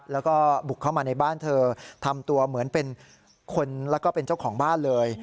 แล้วก็บุกเข้ามาในบ้านเธอทำตัวเหมือนเป็นคนแล้วก็เป็นเจ้าของบ้านเลย